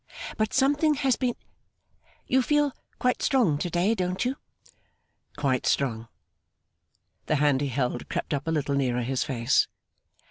But something has been You feel quite strong to day, don't you?' 'Quite strong.' The hand he held crept up a little nearer his face.